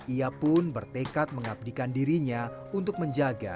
ia pun bertekad mengabdikan dirinya untuk menjaga